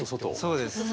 そうです。